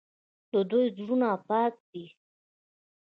د دوی زړونه پاک دي.